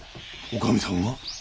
女将さんが？